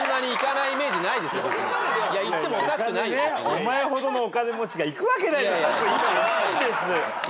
お前ほどのお金持ちが行くわけないだろ。